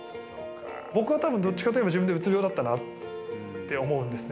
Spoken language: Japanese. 僕はたぶん、どっちかっていったら、自分でうつ病だったなって思うんですね。